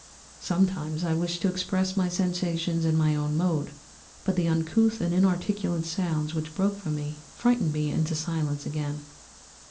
Sometimes I wished to express my sensations in my own mode, but the uncouth and inarticulate sounds which broke from me frightened me into silence again.